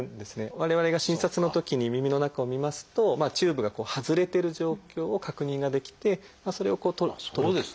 我々が診察のときに耳の中を診ますとチューブが外れてる状況を確認ができてそれをこう取るという。